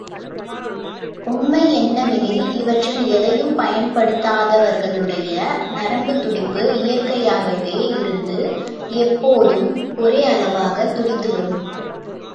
உண்மை என்னவெனில், இவற்றில் எதையும் பயன்படுத்தாதவர்களுடைய நரம்புத் துடிப்பு இயற்கையாகவே இருந்து எப்போதும் ஒரே அளவாகத் துடித்துவரும்.